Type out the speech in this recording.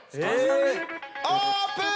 オープン！